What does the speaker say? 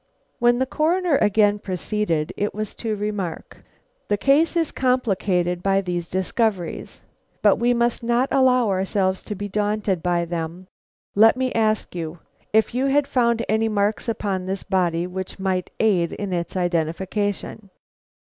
When the Coroner again proceeded, it was to remark: "The case is complicated by these discoveries; but we must not allow ourselves to be daunted by them. Let me ask you, if you found any marks upon this body which might aid in its identification?"